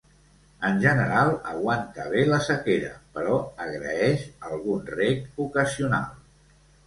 En general aguanta bé la sequera però agraeix algun reg ocasional.